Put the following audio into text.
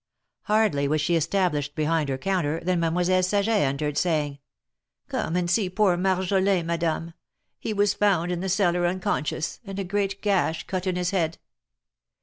Hardly was she established behind her counter, than Mademoiselle Saget entered, saying: Come and see poor Marjolin, Madame. He was found in the cellar unconscious, and a great gash cut in his head."